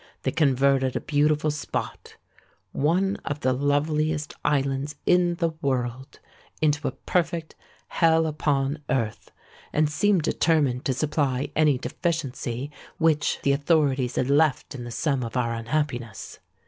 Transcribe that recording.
They converted a beautiful spot—one of the loveliest islands in the world—into a perfect hell upon earth;—and seemed determined to supply any deficiency which the authorities had left in the sum of our unhappiness.